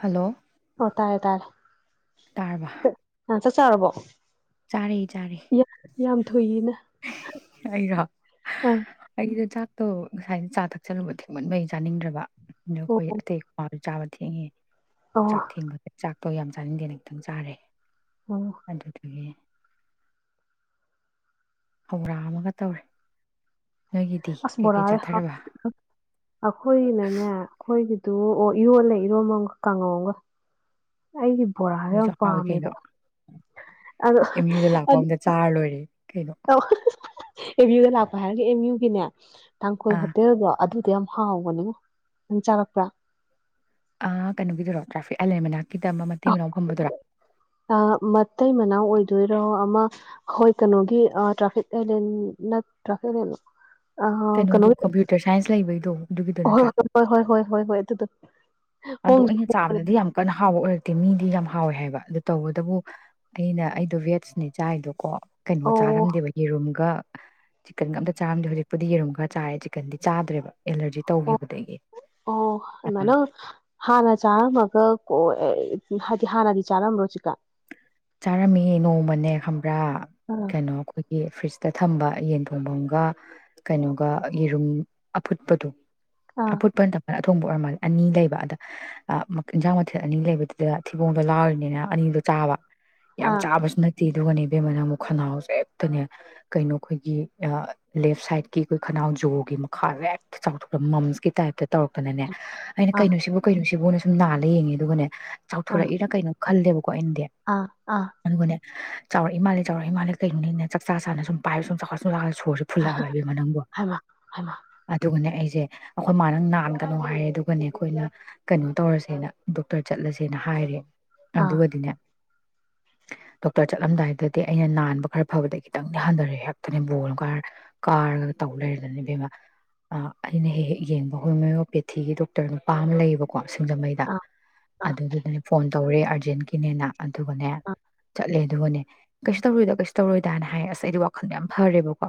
Hello ꯑꯣ ꯇꯥꯔꯦ ꯇꯥꯔꯦ ꯇꯥꯔꯕ ꯑ ꯆꯥꯛ ꯆꯥꯔꯕꯣ ꯆꯥꯔꯦ ꯆꯥꯔꯦ ꯌꯥ ꯌꯥꯝ ꯊꯨꯏꯏꯅ ꯑꯩꯔꯣ ꯑꯥ ꯑꯩꯗꯣ ꯆꯥꯛ ꯇꯣ ꯉꯁꯥꯏꯅ ꯆꯥ ꯊꯛꯆꯜꯂꯨꯕꯩ ꯊꯦꯡꯃꯟꯕꯩ ꯆꯥꯅꯤꯡꯗ꯭ꯔꯕ ꯗꯣ ꯈꯣꯏ ꯑꯣ ꯑꯇꯩ ꯀ꯭ꯋꯥ ꯆꯥꯕ ꯊꯦꯡꯉꯦ ꯑꯣ ꯆꯥꯛ ꯊꯦꯡꯕ [unintelligible] ꯆꯥꯛ [unintelligible] ꯌꯥꯝ ꯆꯥꯅꯤꯡꯗꯦꯅ ꯈꯤꯇꯪ ꯆꯥꯔꯦ ꯑꯣ ꯑꯗꯨꯗꯨꯒꯤ ꯍꯧꯔꯥ ꯑꯃꯒ ꯇꯧꯔꯦ ꯅꯣꯏꯒꯤꯗꯤ ꯑꯁ ꯕꯣꯔꯥ ꯀꯩꯀꯩ ꯆꯥꯊꯔꯕ [unintelligible] ꯑꯈꯣꯏꯅꯅꯦ ꯑꯩꯈꯣꯏꯒꯤ ꯑꯗꯨ ꯑꯣ ꯏꯔꯣꯜꯂꯦ ꯏꯔꯣꯝꯕꯥ ꯑꯃꯒ ꯀꯥꯡꯍꯧ ꯑꯃꯒ ꯑꯩꯒꯤ ꯕꯣꯔꯥꯁꯨ ꯌꯥꯝ ꯅꯣꯏꯁꯨ ꯍꯥꯎꯋꯤ ꯀꯩꯅꯣ ꯄꯥꯝꯃꯦꯕ ꯑꯗꯣ ꯑꯦꯝ ꯌꯨꯗ [unintelligible] ꯂꯥꯛꯄ ꯑꯝꯗ ꯆꯥꯔ ꯂꯣꯏꯔꯦ ꯀꯩꯅꯣ ꯑꯦꯝ ꯌꯨꯗ ꯂꯥꯛꯄ ꯍꯥꯏꯔꯒ ꯑꯦꯝ ꯌꯨꯒꯤꯅꯦ ꯇꯥꯡꯈꯨꯜ ꯑꯥ ꯍꯣꯇꯦꯜꯗꯣ ꯑꯗꯨ ꯌꯥꯝ ꯍꯥꯎꯕꯅꯦꯉꯣ ꯅꯪ ꯆꯥꯔꯛꯄ꯭ꯔ ꯑ ꯀꯩꯅꯣꯒꯤꯗꯔꯣ ꯇ꯭ꯔꯥꯐꯤꯛ ꯑꯂꯦꯟ ꯃꯅꯥꯛꯀꯤꯗ ꯑꯃ ꯃꯅꯥꯎ ꯐꯝꯕꯗꯨꯔꯥ ꯑ ꯃꯇꯩ ꯃꯅꯥꯎ ꯑꯣꯏ ꯑꯗꯨꯏꯔꯣ ꯑꯃ ꯍꯣꯏ ꯀꯩꯅꯣꯒꯤ ꯇ꯭ꯔꯥꯐꯤꯛ ꯑꯥꯏꯂꯦꯟ ꯅꯠꯇꯔ ꯇ꯭ꯔꯥꯐꯤꯛ ꯑꯥꯏꯂꯦꯟ ꯂꯣ ꯑ ꯀꯩꯅꯣꯗꯣ ꯀꯩꯅꯣꯒꯤ ꯀꯝꯄ꯭ꯌꯨꯇꯔ ꯁꯥꯏꯟꯁ ꯂꯩꯕꯩꯗꯣ ꯑꯗꯨꯒꯤꯗꯣ ꯍꯣꯏ ꯅꯠꯇ꯭ꯔꯥ ꯍꯣꯏ ꯍꯣꯏ ꯍꯣꯏ ꯍꯣꯏ ꯑꯗꯨꯗꯣ ꯑꯗꯨ ꯍꯣꯡꯁꯨ ꯑꯩꯅ ꯍꯣꯡꯕꯅꯦ ꯆꯥꯕꯗꯗꯤ ꯌꯥꯝ ꯀꯟꯅ ꯍꯥꯎꯕ ꯑꯣꯏꯔꯛꯇꯦ ꯃꯤ ꯌꯥꯝ ꯍꯥꯎꯋꯦ ꯍꯥꯏꯌꯦꯕ ꯑꯗꯨ ꯇꯧꯕꯇꯕꯨ ꯑꯩꯅ ꯑꯩꯗꯣ ꯕꯦꯖꯅꯦ ꯆꯥꯏꯗꯣꯀꯣ ꯀꯩꯅꯣ ꯑꯣ ꯆꯥꯔꯝꯗꯦꯕ ꯌꯦꯔꯨꯝꯒ ꯆꯤꯛꯀꯟꯒ ꯑꯝꯇ ꯆꯥꯔꯝꯗꯦ ꯍꯧꯖꯤꯛꯄꯨꯗꯤ ꯌꯦꯔꯨꯝ ꯈꯔ ꯆꯥꯔꯦ ꯆꯤꯛꯀꯟꯗꯤ ꯆꯥꯗ꯭ꯔꯦꯕ ꯑꯦꯂꯔꯖꯤ ꯇꯧꯈꯤꯕꯗꯒꯤ ꯑꯣ ꯑꯣ [unintelligible] ꯍꯥꯟꯅ ꯆꯥꯔꯝꯃꯒ [unintelligible] ꯍꯥꯏꯗꯤ ꯍꯥꯟꯅꯗꯤ ꯆꯥꯔꯝꯕꯔꯣ ꯆꯤꯀꯟ ꯆꯥꯔꯝꯃꯦ ꯅꯣꯡꯃꯅꯦ ꯈꯝ ꯕ꯭ꯔꯥ ꯑꯥ ꯀꯅꯣ ꯑꯩꯈꯣꯏꯒꯤ ꯐ꯭ꯔꯤꯖ ꯇ ꯊꯝꯕ ꯌꯦꯟꯊꯣꯡꯐꯝꯒ ꯀꯩꯅꯣꯒ ꯌꯦꯔꯨꯝ ꯑꯐꯨꯠꯄꯗꯣ ꯑꯥ ꯑꯐꯨꯠꯄ [unintelligible] ꯑꯊꯣꯡꯕ ꯑꯣꯏꯔ ꯃꯥꯜꯂꯦ ꯑꯅꯤ ꯂꯩꯕ ꯑꯗ ꯏꯟꯖꯥꯡ ꯃꯊꯦꯜ ꯑꯅꯤ ꯂꯩꯕꯗꯨꯗ ꯊꯤꯕꯣꯡꯗꯣ ꯂꯥꯎꯔꯅꯤꯅ ꯑꯅꯤꯗꯣ ꯆꯥꯕ ꯌꯥꯝ ꯑꯥ ꯆꯥꯕꯁꯨ ꯅꯠꯇꯦ ꯇꯦ ꯗꯨꯒꯅꯦ ꯢꯕꯦꯝꯃ ꯅꯥꯪꯕꯨ ꯈꯅꯥꯎꯁꯦ ꯍꯦꯛꯇꯅꯦ ꯀꯩꯅꯣ ꯑꯩꯈꯣꯏꯒꯤ ꯂꯦꯐ ꯁꯥꯏꯠꯀꯤ ꯑꯩꯈꯣꯏ ꯈꯅꯥꯎ ꯖꯣꯒꯤ ꯃꯈꯥꯖꯦ ꯍꯦꯛꯇ ꯆꯥꯎꯊꯣꯛ ꯃꯝꯁꯀꯤ ꯇꯥꯏꯞꯇ ꯇꯧꯔꯛꯇꯅꯅꯦ ꯑꯩꯅ ꯑꯥ ꯀꯩꯅꯣꯁꯤꯕꯨ ꯀꯩꯅꯣꯁꯤꯕꯨꯅ ꯁꯨꯝ ꯅꯥꯜꯂ ꯌꯦꯡꯉꯦ ꯑꯗꯨꯒꯅꯦ ꯑꯥ ꯆꯥꯎꯊꯣꯔꯛꯏꯔꯥ ꯀꯩꯅꯣ ꯈꯜꯂꯦꯕꯀꯣ ꯑꯩꯅꯗꯤ ꯑꯥ ꯑꯥ ꯆꯥꯎꯔꯛ ꯏꯃꯥꯜꯂꯦ ꯆꯥꯎꯔꯛ ꯏꯃꯥꯜꯂꯦ ꯀꯩꯅꯣꯅꯦꯅ ꯆꯥꯛ ꯆꯥꯆꯥꯅ ꯁꯨꯝ ꯄꯥꯏꯕ ꯁꯨꯝ ꯆꯥꯎꯈꯠ ꯁꯨꯝ ꯆꯥꯎꯈꯠ ꯁꯣꯔꯁꯦ ꯐꯨꯜꯂꯛꯑꯕ ꯏꯕꯦꯝꯃ ꯅꯪꯕꯨ ꯍꯥꯏꯃ ꯍꯥꯏꯃ ꯑꯗꯨꯒꯅꯦ ꯑꯩꯁꯦ ꯁꯦ ꯑꯩꯈꯣꯏ ꯃꯥꯅ ꯅꯥꯟꯒꯅꯣ ꯍꯥꯏꯌꯦ ꯑꯗꯨꯒꯅꯦ ꯑꯩꯈꯣꯏꯅ ꯀꯩꯅꯣ ꯇꯧꯔꯁꯦꯅ ꯗꯣꯛꯇꯔ ꯆꯠꯂꯁꯦꯅ ꯍꯥꯏꯔꯦ ꯑꯥ ꯑꯗꯨꯒꯗꯤꯅꯦ ꯗꯣꯛꯇꯔ ꯆꯠꯂꯝꯗꯥꯏꯗꯨꯗꯗꯤ ꯑꯩꯅ ꯅꯥꯟꯕ ꯈꯔ ꯐꯕꯗ ꯈꯤꯇꯪꯗꯤ ꯍꯟꯊꯔꯦ ꯍꯦꯛꯇꯅꯦ ꯕꯣꯣꯟꯒꯔ ꯀꯥꯔꯒ ꯇꯧ ꯂꯩꯔꯗꯅꯅꯦ ꯕꯦꯝꯃ ꯑꯥ ꯑꯩꯅ ꯍꯦꯛ ꯍꯦꯛ ꯌꯦꯡꯕ ꯍꯣꯃꯤꯌꯣꯄꯦꯊꯤꯒꯤ ꯗꯣꯛꯇꯔ ꯅꯨꯄꯥ ꯑꯃ ꯂꯩꯌꯦꯕꯀꯣ ꯁꯤꯡꯖꯃꯩꯗ ꯑꯥ ꯑꯥ ꯑꯗꯨꯗꯨꯗꯅꯦ ꯐꯣꯟ ꯇꯧꯔꯦ ꯑꯥꯔꯖꯦꯟꯇꯀꯤꯅꯦꯅ ꯑꯗꯨꯒꯅꯦ ꯑꯥ ꯆꯠꯂꯦ ꯑꯗꯨꯒꯅꯦ ꯀꯩꯁꯨ ꯇꯧꯔꯣꯏꯗ ꯀꯩꯁꯨ ꯇꯧꯔꯣꯏꯗꯅ ꯍꯥꯏꯌꯦ ꯑꯁ ꯑꯩꯗꯤ ꯋꯥꯈꯜꯗ ꯌꯥꯝ ꯐꯔꯦꯕꯀꯣ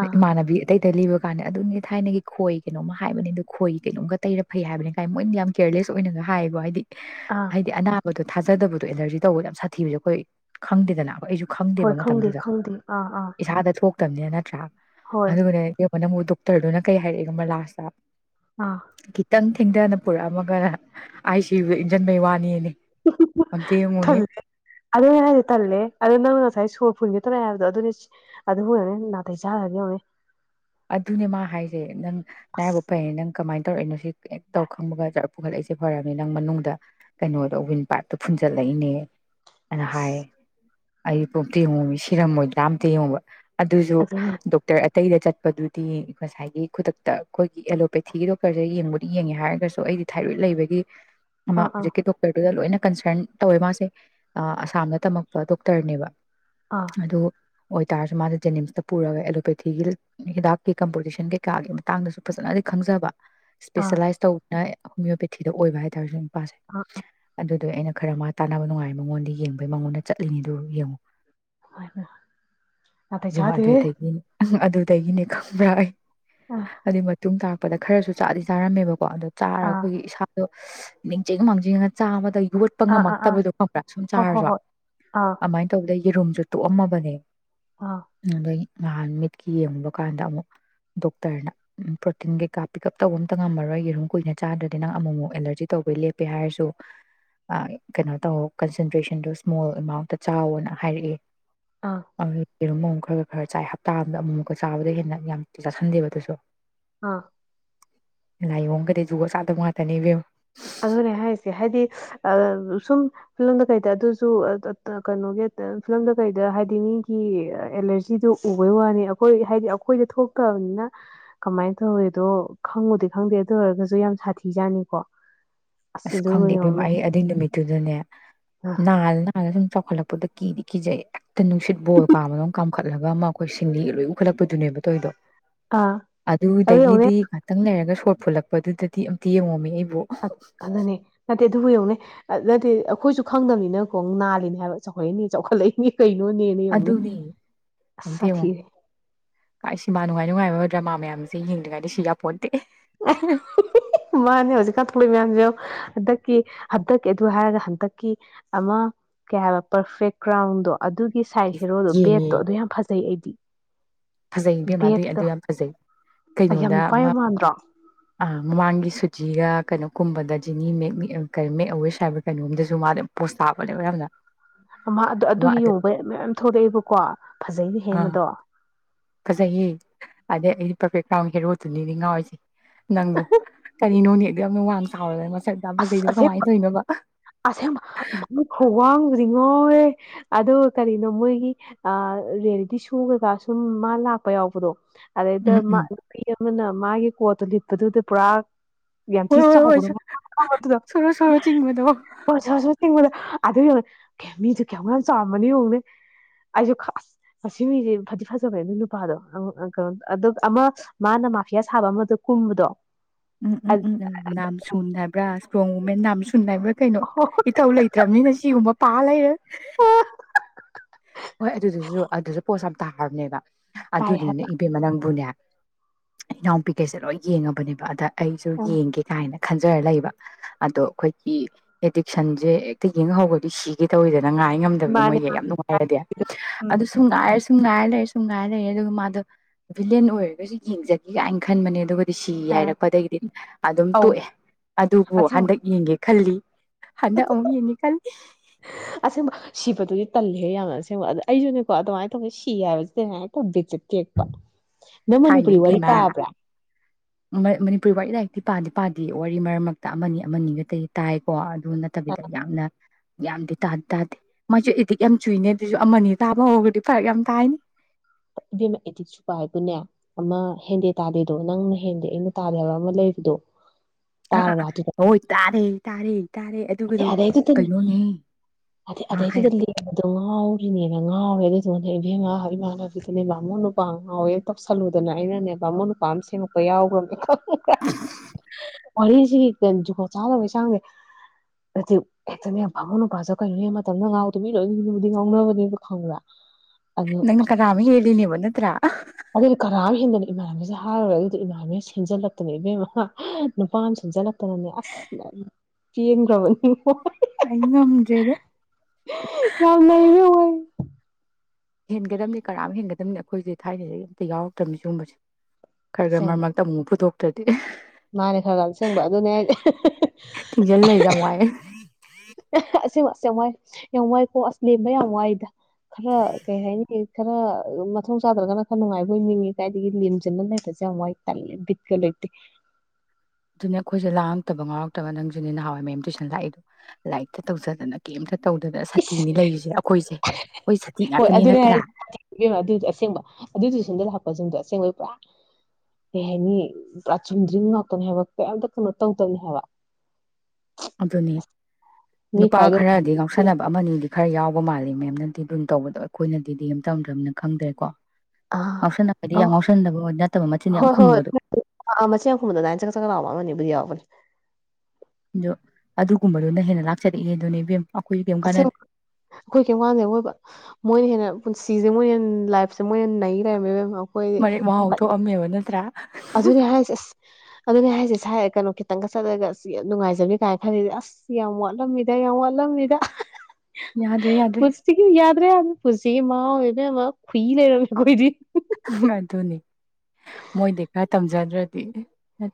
ꯑꯥ ꯏꯃꯥꯟꯅꯕꯤ ꯑꯇꯩꯇ ꯂꯤꯕ ꯀꯥꯟꯗ ꯑꯗꯨꯅꯤ ꯊꯥꯏꯅꯒꯤ ꯈꯣꯏ ꯀꯩꯅꯣꯝꯃ ꯍꯥꯏꯕꯅꯤ ꯑꯗꯣ ꯈꯣꯏꯒꯤ ꯀꯩꯅꯣꯝꯒ ꯇꯩꯔ ꯐꯩ ꯍꯥꯏꯕꯅꯤ ꯀꯥꯏ ꯃꯣꯏꯅꯗꯤ ꯌꯥꯝ ꯀꯦꯌꯔꯂꯦꯁ ꯑꯣꯏꯅꯒ ꯍꯥꯏꯌꯦꯕꯣ ꯍꯥꯏꯗꯤ ꯑꯥ ꯍꯥꯏꯗꯤ ꯑꯅꯥ ꯑꯗꯣ ꯊꯥꯖꯗꯕꯗꯣ ꯑꯦꯂꯔꯖꯤ ꯇꯧꯕꯗ ꯌꯥꯝ ꯁꯥꯊꯤꯕꯁꯨ ꯑꯩꯈꯣꯏ ꯈꯪꯗꯦꯗꯅ ꯑꯩꯈꯣꯏ ꯑꯩꯖꯨ ꯍꯣꯏ ꯈꯪꯗꯦꯕ ꯈꯪꯗꯦ ꯃꯇꯝꯗꯨꯗ ꯈꯪꯗꯦ ꯑꯥ ꯑꯥ ꯏꯁꯥꯗ ꯊꯣꯛ ꯇꯝꯅꯤꯅ ꯅꯠꯇꯔ? ꯍꯣꯏ ꯑꯗꯨꯒꯅꯦ ꯅꯪꯕꯨ ꯗꯣꯛꯇꯔꯗꯨꯅ ꯀꯩ ꯍꯥꯏꯔꯛꯏ ꯈꯪꯕꯔ ꯂꯥꯁꯇ ꯑꯥ ꯈꯤꯇꯪ ꯍꯤꯡꯊꯅ ꯄꯨꯔꯛꯑꯝꯃꯒ ꯑꯩꯥꯏ ꯁꯤ ꯌꯨ ꯏꯟꯖꯟꯕꯩ ꯋꯥꯅꯦꯅꯦ꯫ ꯑꯃꯇꯪꯅ ꯌꯦꯡꯉꯨꯅꯦ? ꯇꯜꯂꯦ ꯑꯗꯨꯅꯦ ꯍꯥꯏꯁꯦ ꯇꯜꯂꯦ ꯑꯗꯣ ꯅꯪꯅ ꯉꯁꯥꯏ ꯁꯣꯔ ꯐꯨꯟꯒꯦ ꯇꯧꯔꯦ ꯍꯥꯏꯕꯗꯣ ꯑꯗꯨꯅꯦ ꯑꯗꯨꯕꯨꯔꯅꯦ ꯅꯥꯇꯩ ꯆꯥꯗ꯭ꯔꯗꯤ ꯌꯡꯉꯨꯅꯦ꯫ ꯑꯗꯨꯅꯦ ꯃꯥ ꯍꯥꯏꯁꯦ ꯅꯪ ꯑꯁ ꯅꯔꯥꯏꯕꯛ ꯐꯩꯌꯦꯅ ꯅꯪ ꯀꯃꯥꯏꯅ ꯇꯧꯔꯛꯏꯅꯣ ꯁꯤ ꯍꯦꯛ ꯇꯧ ꯈꯪꯕꯒ ꯖꯔ ꯄꯨꯈꯠꯂꯛꯏꯁꯦ ꯐꯔꯕꯅꯦ ꯅꯪ ꯃꯅꯨꯡꯗ ꯀꯩꯅꯣꯗꯣ ꯋꯤꯟ ꯄꯥꯏꯞꯇꯣ ꯐꯨꯟꯖꯜꯂꯛꯏꯅꯦꯌꯦ꯫ ꯅꯍꯥꯏꯌꯦ꯫ ꯑꯁ ꯑꯩꯕꯣ ꯑꯝꯇ ꯌꯦꯡꯉꯣꯃꯤ ꯁꯤꯔꯝꯃꯣꯏꯗꯔ ꯑꯝꯇ ꯌꯦꯡꯉꯣꯕ꯫ ꯑꯗꯨꯁꯨ ꯑꯗꯨꯅꯦ ꯗꯣꯛꯇꯔ ꯇꯩꯗ ꯆꯠ ꯑꯗꯨꯗꯤ ꯉꯁꯥꯏꯒꯤ ꯈꯨꯗꯛꯇ ꯑꯩꯈꯣꯏꯒꯤ ꯑꯦꯂꯣꯄꯦꯊꯤꯒꯤ ꯗꯣꯛꯇꯔꯁꯦ ꯌꯦꯡꯕꯨꯗꯤ ꯌꯦꯡꯉꯦ ꯍꯥꯏꯔꯒꯁꯨ ꯑꯩꯗꯤ ꯊꯥꯏꯔꯣꯏꯗ ꯂꯩꯕꯒꯤ ꯑꯃ ꯑꯥ ꯑꯥ ꯍꯧꯖꯤꯛꯀꯤ ꯗꯣꯛꯇꯔꯗꯨꯗ ꯂꯣꯏꯅ ꯀꯟꯁꯔꯟ ꯇꯧꯋꯦ ꯃꯥꯁꯦ ꯑꯁꯥꯝꯗ ꯇꯝꯃꯛꯄ ꯗꯣꯛꯇꯔꯅꯦꯕ ꯑꯥ ꯑꯗꯣ ꯑꯣꯏꯇꯥꯔꯁꯨ ꯃꯥꯁꯦ ꯖꯦꯅꯤꯝꯁꯇ ꯄꯨꯔꯒ ꯑꯦꯂꯣꯄꯦꯊꯤꯒꯤ ꯍꯤꯗꯥꯛꯀꯤ ꯀꯝꯄꯣꯖꯤꯁꯟ ꯀꯩꯀꯥꯒꯤ ꯃꯇꯥꯡꯗꯁꯨ ꯐꯖꯅꯗꯤ ꯈꯪꯖꯕ ꯑꯥ ꯏꯁꯄꯦꯁꯦꯂꯥꯏꯁ ꯇꯧꯅ [unintelligible] ꯑꯣꯏꯕ ꯍꯥꯏꯇꯥꯔꯦ ꯥ [unintelligible] ꯑꯗꯨꯗꯣ ꯑꯩꯅ ꯈꯔ ꯃꯥ ꯇꯥꯟꯅꯕ ꯅꯨꯡꯉꯥꯏ ꯃꯉꯣꯟꯗ ꯌꯦꯡꯕꯩ ꯃꯉꯣꯟꯗ ꯆꯠꯂꯤꯅꯤ ꯑꯗꯨꯒ ꯌꯦꯡꯉꯨ ꯅꯥꯇꯩ ꯆꯥꯗꯦꯍꯦ ꯑꯁ ꯑꯗꯨ ꯗꯒꯤꯅꯤ ꯈꯪꯕꯔꯥ ꯑꯩ ꯑꯥ ꯑꯗꯨꯏ ꯃꯇꯨꯡ ꯇꯥꯔꯛꯄ ꯄꯗ ꯈꯔꯁꯨ ꯆꯥꯗꯤ ꯆꯥꯔꯝꯃꯦꯕꯀꯣ ꯑꯗꯣ ꯆꯥꯔ ꯑꯥ ꯑꯩꯈꯣꯏꯒꯤ ꯏꯁꯥꯗꯣ [unintelligible] ꯃꯤꯡꯖꯦꯟ ꯃꯥꯡꯖꯦꯟ ꯅ ꯆꯥꯕꯥꯗꯩ ꯒꯠꯄ ꯑꯥ ꯑꯥ ꯉꯝꯃꯛꯇꯕꯗꯣ ꯈꯪꯕ꯭ꯔꯥ ꯁꯨꯝ ꯍꯣꯏ ꯍꯣꯏ ꯆꯥꯔꯁꯨ ꯍꯣꯏ ꯑꯥ ꯑꯗꯨꯃꯥꯏꯅ ꯇꯧꯗ ꯌꯦꯔꯨꯝꯁꯨ ꯇꯣꯛꯑꯝꯃꯕꯅꯦ ꯑꯥ ꯑꯗꯩꯩ ꯅꯍꯥꯟ ꯃꯤꯠꯀꯤ ꯌꯦꯡꯉꯨꯕ ꯀꯥꯟꯗ ꯑꯃꯨꯛ ꯗꯣꯛꯇꯔꯅ ꯄ꯭ꯔꯣꯇꯤꯟ ꯀꯩꯀꯥ ꯄꯤꯛ ꯎꯞ ꯇꯧꯕ ꯑꯝꯇ ꯉꯝꯃꯔꯣꯏ ꯌꯦꯔꯨꯝ ꯀꯨꯏꯅ ꯆꯥꯗ꯭ꯔꯗꯤ ꯅꯪ ꯑꯃꯨꯛꯃꯨꯛ ꯑꯦꯂꯔꯖꯤ ꯇꯧꯕꯩ ꯂꯦꯞꯄꯦ ꯍꯥꯏꯔꯁꯨ ꯑꯥ ꯀꯩꯅꯣ ꯇꯧ ꯀꯟꯁꯦꯟꯇ꯭ꯔꯦꯁꯟꯗꯣ ꯁꯃꯣꯜ ꯑꯦꯃꯥꯎꯟꯇ ꯆꯥꯎꯅ ꯍꯥꯏꯔꯛꯑꯦ ꯑꯥ ꯑ ꯌꯦꯔꯨꯝ ꯑꯃꯨꯛ ꯈꯔ ꯈꯔ ꯆꯥꯏ ꯍꯞꯇꯥ ꯑꯃꯨꯛꯃꯨꯀ ꯆꯕꯗꯒꯤ ꯍꯦꯟꯅ ꯌꯥꯝ ꯆꯥꯥꯁꯟꯗꯦꯕ ꯑꯗꯨꯁꯨ ꯑꯥ ꯂꯥꯏꯌꯣꯡꯒꯗꯤ ꯖꯨꯒꯣꯠ ꯆꯠꯕ ꯉꯥꯛꯇꯥꯅꯤ ꯏꯕꯦꯝꯃꯥ ꯑꯗꯨꯅꯦ ꯍꯥꯏꯔꯤꯁꯦ ꯍꯥꯏꯗꯤ ꯁꯨꯝ ꯐꯤꯂꯝꯗ ꯀꯩꯗ ꯑꯗꯨꯁꯨ ꯀꯩꯅꯣꯒꯤ ꯐꯤꯂꯝꯗ ꯀꯩꯗ ꯍꯥꯏꯗꯤ ꯃꯤꯒꯤ ꯑꯦꯂꯔꯖꯤꯗꯨꯣ ꯎꯕꯩ ꯋꯥꯅꯤ ꯑꯩꯈꯣꯏ ꯍꯥꯏꯗꯤ ꯑꯩꯈꯣꯏꯗ ꯊꯣꯛꯇꯕꯅꯤꯅ ꯀꯃꯥꯏꯅ ꯇꯧꯋꯤꯗꯣ ꯈꯪꯉꯨꯗꯤ ꯈꯪꯗꯦ ꯑꯗꯨ ꯑꯣꯏꯔꯒꯁꯨ ꯌꯥꯝ ꯁꯥꯊꯤꯖꯥꯠꯅꯤꯀꯣ ꯑꯁ ꯑꯗꯨꯕꯨ ꯈꯪꯗꯦ ꯏꯕꯦꯝꯃ ꯌꯦꯡꯉꯨꯅꯦ ꯑꯩ ꯑꯗꯨꯏ ꯅꯨꯃꯤꯠꯇꯨꯗꯅꯦ ꯑꯥ ꯅꯥꯜꯂ ꯅꯥꯜꯂ ꯁꯨꯝ ꯆꯥꯎꯈꯠꯂꯛꯄꯗ ꯀꯤꯗꯤ ꯀꯤꯖꯩ ꯍꯦꯛꯇ ꯅꯨꯡꯁꯤꯠ ꯕꯣꯜ ꯀꯥꯝꯕꯗꯧꯅ ꯀꯥꯝꯈꯠꯂꯒ ꯑꯃ ꯑꯩꯈꯣꯏ ꯁꯤꯡꯂꯤꯒ ꯂꯣꯏ ꯎꯈꯠꯂꯛꯄꯗꯨꯅꯦꯕ ꯇꯣꯏꯗꯣ ꯑꯥ ꯑꯗꯨ ꯌꯦꯡꯉꯨꯅꯦ ꯑꯗꯨꯗꯒꯤꯗꯤ ꯉꯥꯛꯇꯪ ꯂꯩꯔꯒ ꯄꯣꯠ ꯐꯨꯜꯂꯛꯄꯗꯨꯗꯗꯤ ꯑꯝꯇ ꯌꯦꯡꯉꯣꯝꯃꯦ ꯑꯩ ꯑꯣ ꯑ- ꯑꯗꯨꯅꯦ ꯅꯠꯇꯦ ꯑꯗꯨꯕꯨ ꯌꯣꯡꯅꯦ ꯅꯠꯇꯦ ꯑꯩꯈꯣꯏꯁꯨ ꯈꯪꯗꯕꯅꯤꯅꯀꯣ ꯅꯥꯜꯂꯤꯅꯦ ꯍꯥꯏꯕ ꯆꯥꯎꯈꯠꯛꯏꯅꯤ ꯆꯥꯎꯈꯠꯂꯛꯏꯅꯤ ꯀꯩꯅꯣꯅꯦꯅꯦ ꯌꯦꯡꯉꯨꯅꯦ ꯑꯗꯨꯅꯦ ꯑꯁ ꯑꯝꯇ ꯌꯦꯡꯉꯣ ꯁꯥꯊꯤꯔꯦ ꯁꯤꯃꯥ ꯅꯨꯡꯉꯥꯏ ꯉꯥꯏꯕ ꯗ꯭ꯔꯃꯥ ꯃꯌꯥꯝꯁꯦ ꯌꯦꯡꯗ꯭ꯔꯤꯉꯩ ꯁꯤ ꯌꯥꯄꯣꯠ ꯃꯥꯅꯦ ꯍꯧꯖꯤꯀꯥꯟ ꯊꯣꯀꯂꯛ ꯏ ꯃꯌꯥꯝꯁꯦ ꯌꯦꯡ ꯍꯟꯗꯛꯀꯤ ꯍꯟꯗꯛꯀꯤ ꯑꯗꯨ ꯍꯥꯏꯔꯒ ꯍꯟꯗꯛꯀꯤ ꯑꯃ ꯀꯩ ꯍꯥꯏꯕ ꯄꯔꯐꯦꯛ ꯀꯔ꯭ꯥꯎꯟꯗꯣ ꯑꯗꯨꯒꯤ ꯁꯥꯏꯠ ꯍꯦꯔꯣꯗꯣ ꯕꯦꯠꯇꯣ ꯌꯦꯡꯉꯦ ꯑꯗꯨ ꯌꯥꯝ ꯐꯖꯩ ꯑꯩ ꯐꯖꯩ ꯏꯕꯦꯝꯃ ꯑꯗꯨꯏ ꯑꯗꯨ ꯌꯥꯝ ꯐꯖꯩ ꯑꯩ ꯌꯥꯝ ꯀꯩꯅꯣꯗ ꯅꯨꯄꯥ ꯑꯃ ꯌꯥꯝ ꯃꯥꯟꯗ꯭ꯔꯣ ꯑ ꯃꯃꯥꯡꯒꯤ ꯁꯨꯖꯤꯒ ꯀꯩꯅꯣ ꯀꯨꯝꯕꯗ ꯖꯤꯅꯤ ꯃꯦꯛ ꯃꯦꯛ ꯑꯦ ꯋꯤꯁ ꯍꯥꯏꯕ ꯀꯩꯅꯣꯝꯗꯁꯨ ꯃꯥꯗꯣ ꯄꯣꯁ ꯇꯥꯕꯅꯦꯕ ꯌꯥꯝꯅ ꯃꯥ ꯑꯗꯨ ꯑꯗꯨꯒꯤ ꯌꯦꯡꯉꯨꯕꯩ ꯃꯌꯥꯝ ꯊꯣꯛꯂꯛꯑꯦꯕꯀꯣ ꯐꯖꯩꯅꯦꯍꯦ ꯑꯥ ꯃꯗꯣ ꯐꯖꯩꯌꯦ ꯑꯗꯩ ꯑꯩꯗꯤ ꯄꯔꯐꯦꯛ ꯀꯔ꯭ꯥꯎꯟꯒꯤ ꯍꯦꯔꯣ ꯗꯨꯅꯤꯅꯦ ꯉꯥꯎꯔꯤꯁꯦ ꯅꯪꯕꯨ ꯀꯔꯤꯅꯣꯅꯦ ꯑꯗꯨꯛꯌꯥꯝ ꯋꯥꯡ ꯆꯥꯎꯔꯒ ꯑꯁ ꯑꯁꯦꯡꯕ ꯑꯁꯦꯡꯕ ꯈꯨꯋꯥꯡꯗꯨꯗꯤ ꯆꯤꯡꯉꯣ ꯑꯗꯨꯒ ꯀꯔꯤꯅꯣ ꯃꯣꯏꯒꯤ ꯔꯤꯌꯦꯂꯤꯇꯤ ꯁꯣꯒ ꯁꯨꯝ ꯃꯥ ꯂꯥꯛꯄ ꯌꯥꯎꯕꯗꯣ ꯑꯗꯩꯩꯗ ꯎꯝ ꯃꯥ ꯎꯝ ꯅꯨꯄꯤ ꯑꯃꯅ ꯃꯥꯒꯤ ꯀꯣꯠꯇ ꯂꯤꯠꯄꯗꯨꯗ ꯄꯨꯔꯥ ꯌꯥꯝ ꯍꯣꯏ ꯊꯤ ꯍꯣꯏ ꯍꯣꯏ ꯆꯥꯎꯕꯗꯣ ꯑꯗꯨꯗꯣ ꯁꯣꯔꯣ ꯁꯣꯔꯣ ꯆꯤꯡꯕꯗꯣ ꯕꯗ ꯑꯗꯨ ꯌꯦꯡꯉꯣ ꯃꯤꯗꯣ ꯀꯌꯥꯃꯨꯛ ꯌꯥꯝ ꯆꯥꯎꯔꯝꯃꯅꯤ ꯌꯦꯡꯉꯨꯅꯦ ꯑꯩꯁꯨ ꯑꯁ ꯑꯁꯤ ꯃꯤꯁꯦ ꯐꯗꯤ ꯐꯖꯕꯅꯦ ꯑꯗꯨ ꯅꯨꯄꯥꯗꯣ ꯀꯩꯅꯣ ꯑ ꯑꯃ ꯃꯥꯅ ꯃꯥꯐꯤꯌꯥ ꯁꯥꯕ ꯑꯃꯗ ꯀꯨꯝꯕꯗꯣ ꯎꯝ ꯎꯝ ꯎꯝ ꯎ ꯅꯥꯝ ꯁꯨꯟ ꯍꯥꯏꯕꯔ꯭ ꯀꯣꯡ ꯃꯦꯟ ꯅꯥꯝ ꯁꯨꯟ ꯁꯨꯅꯥꯏꯕ꯭ꯔꯥ ꯀꯩꯅꯣ ꯏꯊꯧ ꯂꯩꯇ꯭ꯔꯕꯅꯤꯅ ꯁꯤꯒꯨꯝꯕ ꯇꯥ ꯂꯩꯔ ꯎꯝ ꯍꯣꯏ ꯑꯗꯨꯗꯨꯁꯨ ꯑꯗꯨꯁꯨ ꯄꯣꯁ ꯌꯥꯝ ꯇꯥꯔꯕꯅꯦꯕ ꯇꯥꯏ ꯑꯗꯨꯗꯨꯅꯅꯦ ꯍꯥꯏꯕ ꯏꯕꯦꯝꯃ ꯅꯪꯕꯨꯅꯦ ꯏꯅꯥꯎꯄꯤꯈꯩꯁꯦ ꯂꯣꯏ ꯌꯦꯡꯉꯕꯅꯦꯕ ꯑꯗ ꯑꯩꯁꯨ ꯌꯦꯡꯒꯦ ꯀꯥꯏꯅ ꯈꯟꯖꯔ ꯂꯩꯕ ꯑꯗꯣ ꯑꯩꯈꯣꯏꯒꯤ ꯑꯦꯗꯤꯛꯁꯟꯁꯦ ꯍꯦꯛꯇ ꯌꯦꯡ ꯍꯧꯒꯔꯗꯤ ꯁꯤꯒꯦ ꯇꯧꯋꯤꯗꯅ ꯑꯪ ꯉꯥꯏ ꯉꯝꯗꯕꯗꯣ ꯃꯣꯏ ꯃꯥꯅꯦ ꯌꯥꯝ ꯅꯨꯡꯉꯥꯏ ꯑꯗꯨ ꯁꯨꯡ ꯉꯥꯏꯔꯦ ꯁꯨꯡꯥꯏ ꯂꯩꯔꯦ ꯁꯨꯝ ꯉꯥꯏ ꯂꯩꯔꯦ ꯑꯗꯨꯒ ꯃꯗꯣ ꯚꯤꯂꯦꯟ ꯑꯣꯏꯔꯒꯁꯨ ꯌꯦꯡꯖꯒꯦ ꯀꯥꯏꯟ ꯈꯟꯕꯅꯦ ꯁꯤ ꯑꯥ ꯍꯥꯏꯔꯛꯄꯗꯒꯤꯗꯤ ꯑꯗꯨꯝ ꯑꯧ ꯇꯣꯛꯑꯦ ꯑꯗꯨꯕꯨ ꯑꯁꯦꯡꯕ ꯍꯟꯗꯛ ꯌꯦꯡꯒꯦ ꯈꯜꯂꯤ ꯍꯟꯗꯛ ꯑꯃꯨꯛ ꯌꯦꯡꯒꯦ ꯈꯜꯂꯤ ꯇꯜꯂꯍꯦ ꯌꯥꯝꯅ ꯑꯁꯦꯡꯕ ꯑꯩꯁꯨꯅꯦꯀꯣ ꯑꯗꯨꯃꯥꯏꯅ ꯇꯧꯒ ꯁꯤ ꯍꯥꯏꯕꯁꯤ ꯀꯃꯥꯏꯅ ꯇꯧꯗꯦꯁꯦ ꯀꯦꯛꯄ ꯅꯪ ꯊꯥꯏꯅ ꯃꯅꯤꯄꯨꯔꯤ ꯋꯥꯔꯤ ꯏꯕꯦꯝꯃ ꯄꯥꯕ꯭ꯔꯥ [unintelligible] ꯃꯅꯤꯄꯨꯔꯤ ꯋꯥꯔꯤ ꯂꯥꯏꯔꯤꯛꯇꯤ ꯄꯥꯗꯤ ꯄꯥꯗꯦ ꯋꯥꯔꯤ ꯃꯔꯛ ꯃꯔꯛꯇ ꯑꯃꯅꯤ ꯑꯃꯅꯤꯒ ꯀꯩ ꯇꯥꯏꯀꯣ꯫ ꯑꯗꯨ ꯅꯠꯇꯕꯤꯗ ꯌꯥꯝꯅ꯫ ꯌꯥꯝꯗꯤ ꯇꯥꯗꯤ ꯇꯥꯗꯦ ꯃꯥꯁꯨ ꯑꯦꯗꯤꯛ ꯌꯥꯝ ꯆꯨꯏꯅꯦ ꯑꯗꯨꯁꯨ ꯑꯃꯅꯤ ꯇꯥꯕ ꯍꯧꯔꯒꯗꯤ ꯐꯔꯛ ꯌꯥꯝ ꯇꯥꯏꯅꯦ꯫ ꯏꯕꯦꯝꯅ ꯑꯦꯗꯤꯛ ꯆꯨꯕ ꯍꯥꯏꯕꯨꯅꯦ ꯑꯃ ꯍꯦꯟꯗꯦ ꯇꯥꯗꯦꯗꯣ ꯅꯪꯅ ꯍꯦꯟꯗꯦ ꯑꯩꯅ ꯇꯥꯗꯦ ꯍꯥꯏꯕ ꯑꯃ ꯂꯩꯕꯗꯣ꯫ ꯑ-ꯑꯥ ꯍꯣꯏ ꯇꯥꯔꯦ꯫ ꯇꯥꯔꯦ꯫ ꯇꯥꯔꯦ ꯑꯦ ꯑꯗꯨꯒꯗꯣ ꯑꯗꯩꯗꯨꯗꯅꯦ ꯀꯩꯅꯣꯅꯦ ꯑꯥ ꯑꯗꯩꯗꯨꯗ ꯍꯥꯏꯔ ꯂꯦꯝꯕꯗꯣ [unintelligible] ꯉꯥꯎꯔꯤꯅꯦꯃꯦ ꯉꯥꯎꯔꯦ ꯑꯗꯨꯏꯗꯨꯒꯅꯦ ꯏꯕꯦꯝꯃ ꯏꯃꯥꯟꯅꯕꯤꯗꯅꯦ ꯕꯥꯃꯣꯟ ꯅꯨꯄꯥ ꯉꯥꯎꯋꯦ ꯇꯧꯁꯜꯂꯨꯗꯅ ꯑꯩꯅꯅꯦ ꯕꯥꯃꯣꯟ ꯅꯨꯄꯥ ꯑꯃ ꯁꯦꯝꯃꯛꯄ ꯌꯥꯎꯒ꯭ꯔꯕꯅꯦ꯫ ꯋꯥꯔꯤꯁꯤꯒꯤ ꯖꯨꯒꯣꯠ ꯆꯥꯗꯕꯩ ꯆꯥꯡꯖꯦ꯫ [unintelligible] ꯑꯗꯅꯦ ꯕꯥꯃꯣꯟ ꯅꯨꯄꯥꯁꯤꯗ ꯀꯩꯅꯣꯅꯦ ꯃꯇꯝꯗꯨꯗ ꯉꯥꯎꯕꯗꯣ ꯃꯤ ꯂꯣꯏꯅꯕꯨꯗꯤ ꯉꯥꯎꯅꯕꯅꯦꯅ ꯈꯪꯕ꯭ꯔꯥ꯫ ꯑꯗꯨ ꯅꯪꯅ ꯀꯔꯥꯝ ꯍꯦꯜꯂꯤꯅꯦꯕ ꯅꯠꯇ꯭ꯔ꯫ ꯑꯗꯨꯗꯩ ꯀꯅꯥꯥ ꯑꯃ ꯍꯦꯟꯗꯅ ꯏꯃꯥꯟꯅꯕꯤꯁꯤꯗ ꯍꯥꯏꯔꯨꯔꯦ ꯑꯗꯨꯗꯩ ꯏꯃꯥꯟꯅꯕꯤꯅ ꯁꯦꯝꯖꯜꯂꯛꯇꯅꯦ ꯏꯕꯦꯝꯃꯃꯥ ꯅꯨꯄꯥ ꯑꯃ ꯁꯤꯟꯖꯜꯂꯛꯇꯅꯅꯦ ꯑꯁ ꯆꯦꯟꯒ꯭ꯔꯕꯅꯦ꯫ [unintelligible] ꯑꯩ ꯉꯝꯗ꯭ꯔꯦꯗ ꯌꯥꯝ ꯅꯩꯕꯩ ꯋꯥꯔꯤ [inaudible] ꯍꯦꯟꯒꯗꯕꯅꯤ ꯀꯔꯥꯝꯃ ꯍꯦꯟꯒꯗꯝꯅꯤ ꯑꯩꯈꯣꯏꯁꯦ ꯊꯥꯏꯅꯗꯩ ꯑꯝꯇ ꯌꯥꯎꯔꯛꯇ꯭ꯔꯕꯅꯤ ꯁꯤꯒꯨꯝꯕꯁꯦ꯫ ꯈꯔ [unintelligible] ꯃꯔꯛ ꯑꯁꯦꯡꯕ ꯃꯔꯛꯇ ꯑꯃꯨꯛ ꯄꯨꯊꯣꯛ [unintelligible] ꯃꯥꯅꯦ ꯈꯒ ꯑꯁꯦꯡꯕ ꯑꯗꯨꯅꯦ ꯍꯥꯏꯖꯦ [unintelligible] ꯖꯜꯂ ꯂꯩꯕꯁꯦ ꯌꯥꯝ ꯋꯥꯏ꯫ ꯑꯁꯦꯡꯕ ꯑꯁ ꯌꯥꯝ ꯋꯥꯏ ꯌꯥꯝ ꯋꯥꯏꯀꯣ ꯑꯁ ꯂꯦꯝꯕ ꯌꯥꯝ ꯋꯥꯏꯗ ꯈꯔ ꯀꯩ ꯍꯥꯏꯅꯤ ꯈꯔ ꯃꯊꯣꯡ ꯆꯥꯗ꯭ꯔꯒꯅ ꯈꯔ ꯅꯨꯡꯉꯥꯏꯕꯣꯏ ꯅꯤꯡꯉꯤ ꯀꯥꯏꯗꯒꯤ ꯂꯦꯝꯖꯤꯟꯅ ꯂꯩꯕꯁꯦ ꯌꯥꯝ ꯋꯥꯏ ꯕꯤꯠꯀ ꯂꯩꯇꯦ꯫ ꯑꯗꯨꯅꯦ ꯑꯩꯈꯣꯏꯁꯦ ꯂꯥꯡꯉꯛꯇꯕ ꯉꯥꯎꯔꯛꯇꯕ ꯅꯪꯁꯨꯅꯦ ꯅꯍꯥꯟꯋꯥꯏ ꯃꯦꯝ ꯇꯨꯏꯁꯟ ꯂꯥꯛꯏꯗꯣ ꯂꯥꯏꯔꯤꯛꯇ ꯇꯧꯖꯗꯅ ꯀꯩꯝꯇ꯫ ꯇꯧꯗꯅ ꯁꯥꯇꯤꯅꯤ [unintelligible] ꯂꯩꯔꯤꯁꯦ ꯑꯩꯈꯣꯏꯁꯦ ꯑꯩꯈꯣꯏ ꯁꯥꯇꯤ ꯍꯣꯏ ꯉꯥꯛꯇꯅꯤ ꯑꯗꯨꯅꯦ ꯅꯠꯇ꯭ꯔꯥ ꯍꯥꯏꯖꯦ ꯏꯕꯦꯝꯃ ꯑꯗꯨꯗ ꯑꯁꯦꯡꯕ ꯑꯗꯨ ꯇꯨꯏꯁꯟꯗ ꯂꯥꯛꯄꯁꯤꯡꯗꯣ ꯑꯁꯦꯡꯕ ꯀꯩ ꯍꯥꯏꯅꯤ ꯄꯨꯔꯥ ꯆꯨꯝꯗ꯭ꯔꯤꯡ ꯉꯥꯛꯇꯅꯦ ꯍꯥꯏꯕ ꯀꯩꯝꯇ ꯀꯩꯅꯣ ꯇꯧꯗꯕꯅꯦ ꯍꯥꯏꯕ꯫ ꯑꯗꯨꯅꯦ꯫ ꯃꯤ ꯅꯨꯄꯥ ꯈ꯭ꯋꯥꯏꯗꯣ ꯈꯔꯗꯤ ꯉꯥꯎꯁꯟꯅꯕ ꯑꯃꯅꯤ ꯑꯗꯤ ꯈꯔ ꯌꯥꯎꯕ [unintelligible] ꯃꯥꯜꯂꯤꯦ ꯃꯦꯝꯅꯗꯤ ꯂꯨꯅ ꯇꯧꯕꯗꯣ ꯑꯩꯈꯣꯏꯅꯗꯤ ꯗꯦꯝ ꯇꯝꯗ꯭ꯔꯝꯅꯤꯅ ꯈꯪꯗ꯭ꯔꯦꯀꯣ꯫ ꯑ ꯉꯥꯎꯁꯟꯅꯕꯗꯤ ꯑ ꯌꯥꯝ ꯉꯥꯎꯁꯟꯅꯕ ꯅꯠꯇꯕ ꯃꯆꯤꯟ ꯌꯥꯝ ꯍꯣꯏ ꯍꯣꯏ ꯈꯨꯝꯕꯗꯣ [inaudible] ꯃꯆꯤꯟ ꯌꯥꯝ ꯈꯨꯝꯕꯗꯣ ꯑꯗꯨꯃꯥꯏ ꯆꯒꯠ ꯆꯒꯠ ꯂꯥꯎꯕ ꯑꯃꯅꯤꯕꯨꯗꯤ ꯌꯥꯎꯕꯅꯦ꯫ ꯑꯗꯣ ꯑꯗꯨꯒꯨꯝꯕꯗꯨꯅ ꯍꯦꯟꯅ ꯂꯥꯛꯆꯔꯛꯑꯦ ꯗꯨꯅꯦ ꯏꯕꯦꯝ ꯑꯩꯈꯣꯏꯁꯨ ꯀꯩꯝ ꯀꯥꯟꯅꯗꯦ ꯑꯁꯦꯡꯕ ꯑꯩꯈꯣꯏ ꯀꯩꯝ ꯋꯥꯥꯟꯗꯦ ꯑꯑꯣꯏꯕ ꯃꯣꯏꯅ ꯍꯦꯟꯅ ꯄꯨꯟꯁꯤ [unintelligible] ꯃꯣꯏꯅ ꯂꯥꯏꯐꯁꯦ ꯃꯣꯏꯅ ꯅꯩ ꯂꯩꯔꯝꯃꯦ ꯏꯕꯦꯝꯃ ꯑꯩꯈꯣꯏꯗꯤ ꯃꯔꯦꯛ ꯃꯍꯥꯎ ꯄꯠꯂꯦ ꯊꯣꯛꯑꯝꯃꯦꯕ ꯅꯠꯇ꯭ꯔꯥ꯫ ꯑꯗꯨꯅꯦ ꯍꯥꯏꯁꯦ ꯑꯁ꯫ ꯑꯗꯨꯅꯦ ꯍꯥꯏꯁꯦ ꯁꯥꯏ ꯀꯩꯅꯣ ꯈꯤꯇꯪꯒ ꯆꯠꯂꯒ ꯑꯁ ꯅꯨꯡꯉꯥꯏꯖꯔꯦ ꯀꯥꯏꯅ ꯈꯜꯂꯤꯖꯦ ꯑꯁ ꯌꯥꯝ ꯋꯥꯠꯂꯝꯃꯤꯗ ꯌꯥꯝ ꯋꯥꯠꯂꯝꯃꯤꯗ꯫ ꯌꯥꯗ꯭ꯔꯦ ꯌꯥꯗ꯭ꯔꯦ꯫ [unintelligible] ꯌꯥꯝ ꯄꯨꯟꯁꯤꯒꯤ ꯃꯍꯥꯎꯖꯦ ꯏꯕꯦꯝꯃ ꯈꯨꯏ ꯂꯩꯔꯝꯃꯦ ꯑꯈꯣꯏꯗꯤ꯫ ꯑꯗꯨꯅꯤ꯫ ꯃꯣꯏꯗꯩ ꯈꯔ ꯇꯝ ꯥꯗ꯭ꯔꯥꯗꯤ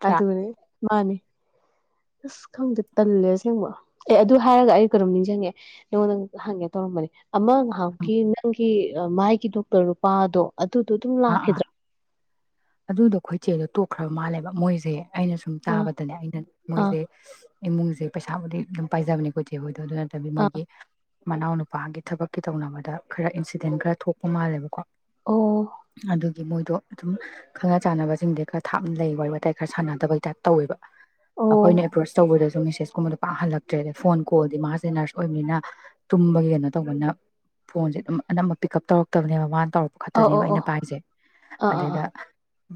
ꯑꯗꯨꯅꯦ ꯃꯥꯅꯦ ꯈꯪꯗꯦ ꯇꯜꯂꯦ ꯑꯁꯦꯡꯕ ꯑꯦ ꯑꯗꯨ ꯍꯥꯏꯔꯒ ꯑꯩ ꯀꯩꯅꯣꯝ ꯅꯤꯡꯁꯤꯡꯉꯦ ꯅꯉꯣꯟꯗ ꯍꯪꯉꯦ ꯇꯧꯔꯝꯕꯅꯦ ꯑꯃ ꯅꯕꯅꯃꯨꯛꯀꯤ ꯅꯪꯒꯤ ꯃꯥꯏꯒꯤ ꯗꯣꯛꯇꯔ ꯅꯨꯨꯄꯥꯗꯣ ꯑꯗꯨꯗꯣ ꯑꯗꯨꯝ ꯑꯥ ꯑꯥ ꯂꯥꯛꯈꯤꯗ꯭ꯔꯥ ꯑꯗꯨꯗꯣ ꯑꯩꯈꯣꯏ ꯆꯦꯗꯣ ꯇꯣꯛꯈ꯭ꯔꯕ ꯃꯥꯜꯂꯦꯕ ꯃꯣꯏꯁꯦ ꯑꯩꯅ ꯁꯨꯝ ꯑꯥ ꯇꯥꯕꯗꯅꯦ ꯑꯩꯅ ꯑꯥ ꯃꯣꯏꯁꯦ ꯏꯃꯨꯡꯁꯦ ꯄꯩꯁꯥꯕꯨꯗꯤ ꯑꯗꯨꯝ ꯄꯥꯏꯖꯕꯅꯦ ꯈꯣꯏ ꯆꯦ ꯍꯣꯏ ꯑꯗꯨ ꯑꯗꯨ ꯅꯠꯇꯕꯤ ꯑꯥ ꯃꯣꯏꯒꯤ ꯃꯅꯥꯎ ꯅꯨꯄꯥꯒꯤ ꯊꯕꯛꯀꯤ ꯇꯧꯅꯕꯗ ꯈꯔ ꯏꯟꯁꯤꯗꯦꯟ ꯈꯔ ꯊꯣꯛꯄ ꯃꯥꯜꯂꯦꯕꯀꯣ ꯑꯣ ꯑꯗꯨꯒꯤ ꯃꯣꯏꯗꯣ ꯑꯗꯨꯝ ꯈꯪꯅ ꯆꯥꯟꯅꯕꯁꯤꯡꯗꯤ ꯈꯔ ꯊꯥꯞꯅ ꯂꯩ ꯋꯥꯔꯤ ꯋꯥꯇꯥꯏ ꯈꯔ ꯁꯥꯟꯅꯗꯕꯩ ꯇꯥꯏꯞ ꯇꯧꯋꯦꯕ ꯑꯣ ꯑꯩꯈꯣꯏꯅ ꯑꯦꯄ꯭ꯔꯣꯁ ꯇꯧꯕꯗꯁꯨ ꯑꯗꯨ ꯃꯦꯁꯦꯁꯀꯨꯝꯕꯗꯣ ꯄꯥꯛ ꯍꯜꯂꯛꯇ꯭ꯔꯦ ꯑꯗꯩꯩ ꯐꯣꯟ ꯀꯣꯜꯗꯤ ꯃꯥꯁꯦ ꯅꯔꯁ ꯑꯣꯏꯕꯅꯤꯅ ꯇꯨꯝꯕꯒꯤ ꯀꯩꯅꯣ ꯇꯧꯕꯅ ꯐꯣꯟꯁꯦ ꯑꯗꯨꯝ ꯑꯅꯝꯕ ꯄꯤꯛ ꯑꯞ ꯇꯧꯔꯛꯇꯕꯅꯦꯕ ꯃꯥꯅ ꯇꯧꯔꯛꯄ ꯑꯣ ꯑꯣ ꯈꯛꯇꯅꯦꯕ ꯑꯣ ꯑꯩꯅ ꯄꯥꯏꯁꯦ ꯑꯥ ꯑꯥ ꯑꯗꯨꯗ ꯑꯥ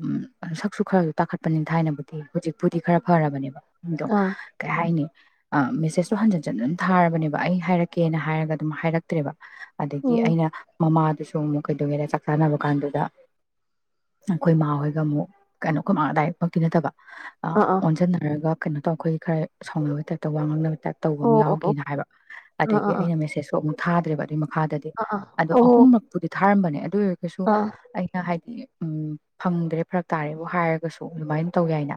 ꯎꯝ ꯁꯛꯁꯨ ꯈꯔ ꯇꯥꯈꯠꯄꯅꯤꯅ ꯊꯥꯏꯅꯕꯨꯗꯤ ꯍꯧꯖꯤꯛꯄꯨꯗꯤ ꯈꯔ ꯐꯔꯕꯅꯦꯕ ꯗꯣ ꯑꯥ ꯀꯩꯍꯥꯏꯅꯤ ꯑ ꯃꯦꯁꯦꯁꯇꯣ ꯍꯟꯖꯤꯟꯖꯟ ꯑꯗꯨꯝ ꯊꯥꯔꯕꯅꯦꯕ ꯑꯩ ꯍꯥꯏꯔꯛꯀꯦꯅ ꯍꯥꯏꯔꯒ ꯑꯗꯨꯝ ꯍꯥꯏꯔꯛꯇ꯭ꯔꯦꯕ ꯑꯗꯒꯤ ꯎꯝ ꯑꯩꯅ ꯃꯃꯥ ꯑꯗꯨꯁꯨ ꯑꯃꯨꯛ ꯀꯩꯗꯧꯋꯦꯗ ꯆꯥꯛ ꯆꯥꯅꯕ ꯀꯥꯟꯗꯨꯗ ꯑꯩꯈꯣꯏ ꯃꯥꯥꯍꯣꯏꯒ ꯑꯃꯨꯛ ꯀꯩꯅꯣ ꯑꯩꯈꯣꯏ ꯃꯥ ꯗꯥꯢꯔꯦꯛ ꯃꯛꯇꯤ ꯅꯠꯇꯕ ꯑ ꯑꯥ ꯑꯥ ꯑꯣꯟꯖꯟꯅꯔꯒ ꯀꯩꯅꯣ ꯇꯧ ꯑꯩꯈꯣꯏ ꯈꯔ ꯁꯥꯎꯅꯕ ꯇꯥꯏꯞꯇ ꯋꯥ ꯉꯥꯡꯅꯕ ꯇꯥꯏꯞ ꯇꯧꯕ ꯑꯣ ꯑꯃ ꯑꯣ ꯑꯣ ꯌꯥꯎꯒꯤꯅ ꯍꯥꯏꯕ ꯑꯥ ꯑꯥ ꯑꯗꯒꯤ ꯑꯥ ꯑꯩꯅ ꯃꯦꯁꯦꯁꯁꯨ ꯑꯃꯨꯛ ꯊꯥꯗ꯭ꯔꯦꯕ ꯑꯅꯤꯃꯛ ꯃꯈꯥꯗꯗꯤ ꯑꯥ ꯑꯥ ꯑꯗꯣ ꯑꯣ ꯑꯍꯨꯝꯔꯛꯄꯨꯗꯤ ꯊꯥꯔꯝꯕꯅꯦ ꯑꯗꯨꯑꯣꯏ ꯑꯥ [unintelligible] ꯑꯩꯅ ꯍꯥꯏ ꯎꯝ ꯐꯪꯗ꯭ꯔꯦ ꯐꯔꯛ ꯇꯥꯔꯦꯕꯨ ꯍꯥꯏꯔꯒꯁꯨ ꯑꯗꯨꯃꯥꯏꯅ ꯇꯧ ꯌꯥꯏꯅ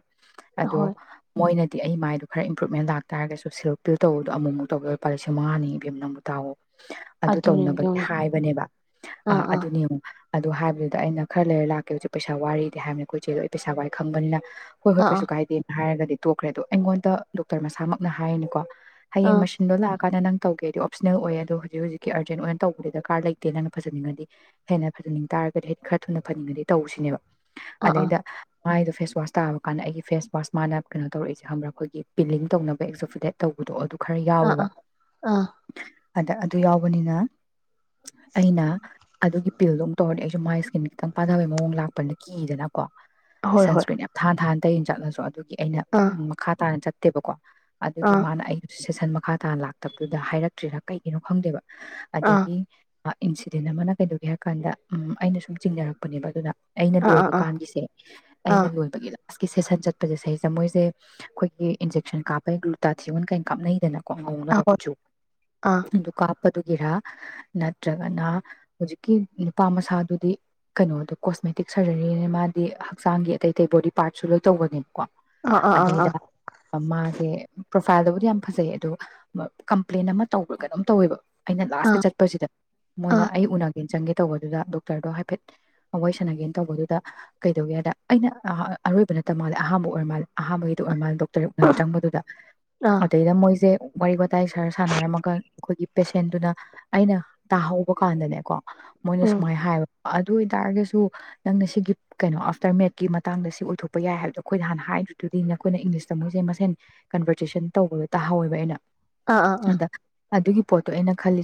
ꯑꯗꯣ ꯑꯍꯣꯏ ꯃꯣꯏꯅ ꯑꯩ ꯃꯥꯏꯗꯣ ꯏꯝꯄ꯭ꯔꯨꯞꯃꯦꯟ ꯂꯥꯛꯇꯥꯔꯒꯁꯨ ꯁꯤꯜꯛꯛꯇꯤ ꯇꯧꯕꯗꯣꯨꯃꯨꯛ ꯇꯧꯕꯗ ꯂꯨꯄꯥ ꯂꯤꯁꯤꯡ ꯃꯉꯥꯅꯦꯅꯪꯕꯨ ꯇꯥꯎꯋꯣ ꯑꯗꯨ ꯑꯗꯨꯅꯦꯕ ꯇꯧꯅꯕꯒꯤ ꯌꯦꯡꯉꯨꯅꯦ ꯍꯥꯏꯕꯅꯦꯕ ꯑ ꯑꯥ ꯑꯥ ꯑꯗꯨꯅꯦ ꯌꯦꯡꯉꯣ ꯑꯗꯨ ꯍꯥꯏꯕꯗꯨꯗ ꯑꯩꯅ ꯈꯔ ꯂꯩꯔ ꯂꯥꯛꯀꯦ ꯍꯧꯖꯤꯛ ꯄꯩꯁꯥ ꯋꯥꯔꯤꯗꯤ ꯍꯥꯏꯕꯅꯤ ꯑꯩꯈꯣꯏꯆꯦꯗꯣ ꯑꯩ ꯄꯩꯁꯥ ꯋꯥꯏ ꯈꯪꯕꯅꯤꯅ ꯍꯣꯏ ꯍꯣꯏ ꯑꯥ ꯀꯩꯁꯨ ꯀꯥꯏꯗꯦꯅ ꯍꯥꯏꯔꯒꯗꯤ ꯇꯣꯛꯈ꯭ꯔꯦ ꯑꯗꯣ ꯑꯩꯉꯣꯟꯗ ꯗꯣꯛꯇꯔ ꯃꯁꯥꯃꯛꯅ ꯍꯥꯏꯔꯤꯅꯤꯀꯣ ꯍꯌꯦꯡ ꯑꯥ ꯃꯁꯤꯟꯗꯣ ꯂꯥꯛꯑꯀꯥꯟꯗ ꯅꯪ ꯇꯧꯒꯦ ꯍꯥꯏꯗꯤ ꯑꯣꯞꯁꯅꯦꯜ ꯑꯣꯏꯌꯦ ꯑꯗꯣ ꯍꯧꯖꯤꯛ ꯍꯧꯖꯤꯛꯀꯤ ꯑꯔꯖꯦꯟ ꯑꯣꯏꯅ ꯇꯧꯕꯗꯤ ꯗꯔꯀꯥꯔ ꯂꯩꯇꯦ ꯅꯪꯅ ꯐꯖꯅꯤꯡꯉꯗꯤ ꯍꯦꯟꯅ ꯐꯖꯅꯤꯡꯕ ꯇꯥꯔꯒꯗꯤ ꯍꯥꯏꯗꯤ ꯈꯔ ꯊꯨꯅ ꯐꯅꯤꯡꯉꯗꯤ ꯇꯧꯁꯤꯅꯦꯕ ꯑꯥ ꯑꯥ ꯑꯗꯩꯩꯗ ꯃꯥꯏꯗꯣ ꯐꯦꯁ ꯋꯥꯁ ꯇꯥꯕ ꯀꯥꯟꯗ ꯑꯩꯒꯤ ꯐꯦꯁ ꯋꯥꯁ ꯃꯥꯅ ꯀꯩꯅꯣ ꯇꯧꯛꯔꯛꯏꯁꯦ ꯈꯪꯕꯔ꯭ ꯑꯩꯈꯣꯏꯒꯤ ꯄꯤꯂꯤꯡ ꯇꯧꯅꯕ ꯑꯦꯛꯖꯣꯐꯤꯗꯦꯠ ꯇꯧꯕꯗꯣ ꯑꯗꯨ ꯈꯔ ꯑꯥ ꯑꯥ ꯌꯥꯎꯋꯦꯕ ꯑꯥ ꯑꯗ ꯑꯗꯨ ꯌꯥꯎꯕꯅꯤꯅ ꯑꯩꯅ ꯑꯗꯨꯒꯤ ꯄꯤꯜꯗꯣ ꯑꯃꯨꯛ ꯇꯧꯔꯗꯤ ꯑꯩꯁꯨ ꯃꯥꯏ ꯁꯀꯤꯟ ꯈꯤꯇꯪ ꯄꯥꯗꯥꯕ ꯃꯑꯣꯡ ꯂꯥꯛꯄꯅꯤ ꯀꯤꯗꯅꯀꯣ ꯑꯥ ꯍꯣꯏ ꯍꯣꯏ ꯁꯟꯁꯀ꯭ꯔꯤꯟꯅꯤ ꯌꯥꯝ ꯊꯥꯅ ꯊꯥꯅ [unintelligible] ꯑꯗꯨꯒꯤ ꯑꯩꯅ ꯑꯥ ꯃꯈꯥ ꯇꯥꯅ ꯆꯠ ꯇꯦꯕꯀꯣ ꯑꯗꯨꯒꯤ ꯑꯥ ꯃꯥꯅ ꯑꯩꯒꯤꯁꯨ ꯁꯦꯁꯟ ꯃꯈꯥ ꯇꯥꯅ ꯂꯥꯛꯇꯕꯗꯨꯗ ꯍꯥꯏꯔꯛꯇ꯭ꯔꯤꯔꯥ ꯀꯩꯒꯤꯅꯣ ꯈꯪꯗꯦꯕ ꯑꯥ ꯑꯗꯒꯤ ꯏꯟꯁꯤꯗꯦꯟ ꯑꯃꯅ ꯀꯩꯗꯧꯒꯦ ꯍꯥꯏꯔ ꯀꯥꯟꯗ ꯎꯝ ꯑꯩꯅ ꯁꯨꯝ ꯆꯤꯡꯅꯔꯛꯄꯅꯦꯕ ꯗꯨꯗ ꯑꯩꯅ ꯑꯥ ꯑꯥ ꯂꯣꯏꯕ ꯑꯥ ꯀꯥꯟꯒꯤꯁꯦ ꯑꯥ ꯑꯩꯅ ꯂꯣꯏꯕꯒꯤꯗ ꯀ꯭ꯂꯥꯁꯀꯤ ꯁꯦꯁꯟ ꯆꯠꯄꯁꯦ ꯁꯩꯁꯦ ꯃꯣꯏꯁꯦ ꯑꯩꯈꯣꯏꯒꯤ ꯏꯟꯖꯦꯛꯁꯟ ꯀꯥꯞꯄꯩ ꯒ꯭ꯂꯨꯇꯥꯊꯤꯌꯟ ꯀꯥꯏ ꯀꯥꯞꯅꯩꯗꯅ ꯀꯣ ꯉꯧꯅꯕ ꯑꯍꯣꯏ ꯀꯨꯠꯆꯨ ꯑꯥ ꯑꯗꯨꯒ ꯃꯗꯨꯒꯤꯔꯥ ꯅꯠꯇ꯭ꯔꯒꯅ ꯍꯧꯖꯤꯛꯀꯤ ꯅꯨꯄꯥ ꯃꯁꯥꯗꯨꯗꯤ ꯀꯩꯅꯣꯗꯨ ꯀꯣꯁꯃꯦꯇꯤꯛ ꯁꯔꯖꯔꯤꯅ ꯃꯥꯗꯤ ꯍꯛꯆꯥꯡꯒꯤ ꯑꯇꯩ ꯑꯇꯩ ꯕꯣꯗꯤ ꯄꯥꯔꯠꯁꯨ ꯂꯣꯏ ꯇꯧꯕꯅꯤ ꯀꯣ ꯑꯥ ꯑꯥ ꯑꯗꯩꯗ ꯑꯥ ꯃꯥꯁꯦ ꯄ꯭ꯔꯣꯐꯥꯏꯜꯗꯕꯨꯗꯤ ꯌꯥꯝ ꯐꯖꯩ ꯑꯗꯣ ꯀꯝꯄ꯭ꯂꯦꯟ ꯑꯃ ꯇꯧꯕ꯭ꯔ ꯀꯩꯅꯣꯝ ꯇꯧꯋꯦꯕ ꯑꯩꯅ ꯑꯥ ꯑꯥ ꯂꯥꯁꯀꯤ ꯑꯥ ꯆꯠꯄꯁꯤꯗ ꯃꯣꯏꯅ ꯑꯩ ꯎꯅ ꯆꯪꯒꯦ ꯇꯧꯕꯗꯨꯗ ꯗꯣꯛꯇꯔꯗꯣ ꯍꯥꯏꯐꯦꯠ ꯋꯥꯔꯤ ꯁꯥꯟꯅꯒꯦꯅ ꯇꯧꯕꯗꯨꯗ ꯀꯩꯗꯧꯒꯦꯗ ꯑꯩꯅ ꯑꯔꯣꯏꯕ ꯅꯠꯇ ꯃꯥꯜꯂꯦ ꯑꯍꯥꯟꯕ ꯑꯣꯏꯔ ꯃꯥꯜꯂꯦ ꯑꯍꯥꯥꯟꯕꯒꯤꯗꯣ ꯑꯣꯏꯔ ꯃꯥꯜꯂꯦ ꯗꯣꯛꯇꯔ ꯎꯅꯕ ꯆꯪꯕꯗꯨꯗ ꯑꯥ ꯑꯗꯩꯗ ꯃꯣꯏꯁꯦ ꯋꯥꯔꯤ ꯋꯥꯇꯥꯏ ꯁꯥꯔ ꯁꯥꯟꯅꯔꯝꯃꯒ ꯑꯩꯈꯣꯏꯒꯤ ꯄꯦꯁꯦꯟꯗꯨꯅ ꯑꯩꯅ ꯇꯥꯍꯧꯕ ꯀꯥꯟꯗꯅꯦꯀꯣ ꯃꯣꯏꯅ ꯎꯝ ꯁꯨꯃꯥꯏꯅ ꯍꯥꯏꯕ ꯑꯗꯨ ꯑꯣꯏꯇꯥꯔꯒꯁꯨ ꯁꯨ ꯅꯪꯅ ꯁꯤꯒꯤ ꯀꯩꯅꯣ ꯑꯥꯐꯇꯔ ꯃꯦꯠꯀꯤ ꯃꯇꯥꯡꯗ ꯁꯤ ꯑꯣꯏꯊꯣꯛꯄ ꯌꯥꯏ ꯍꯥꯏꯕꯗꯣ ꯑꯩꯈꯣꯏꯗ ꯍꯥꯟꯅ ꯍꯥꯏꯗꯨꯗꯤ ꯅꯈꯣꯏꯅ ꯏꯪꯂꯤꯁꯇ ꯃꯣꯏꯁꯦ ꯃꯁꯦꯟ ꯀꯟꯚꯔꯖꯦꯁꯟ ꯇꯧꯕꯗꯣ ꯇꯥꯍꯧꯋꯦꯕ ꯑꯩꯅ ꯑꯥ ꯑꯥ ꯑꯥ ꯑꯗ ꯑꯗꯨꯒꯤ ꯄꯣꯠꯇꯣ ꯑꯩꯅ ꯈꯜꯂꯤ